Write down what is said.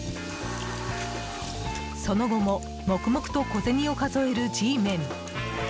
その後も黙々と小銭を数えるＧメン。